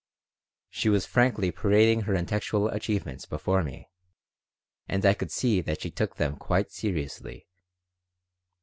She was frankly parading her intellectual achievements before me, and I could see that she took them quite seriously.